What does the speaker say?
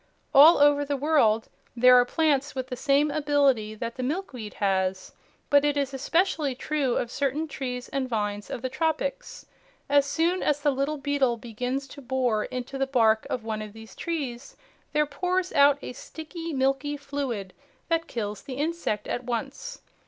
All over the world there are plants with the same ability that the milkweed has, but it is especially true of certain trees and vines of the tropics. As soon as the little beetle begins to bore into the bark of one of these trees, there pours out a sticky, milky fluid that kills the insect at once.